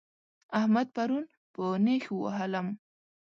احمد پرون په نېښ ووهلم